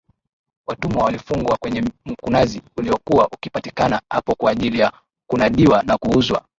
Watumwa walifungwa kwenye Mkunazi uliokuwa ukipatikana hapo kwa ajili ya kunadiwa na kuuzwa